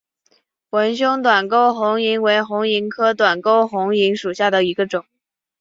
纹胸短沟红萤为红萤科短沟红萤属下的一个种。